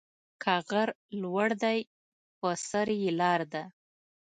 که غر لوړ دى، په سر يې لار ده.